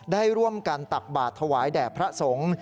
ได้ร่วมกันตักบาทถวายแด่พระสงฆ์